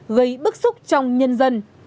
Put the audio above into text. gây bức xúc trong nhân dân